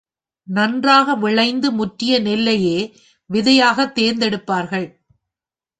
நன்றாக விளைந்து முற்றிய நெல்லையே விதையாகத் தேர்ந்தெடுப்பார்கள்.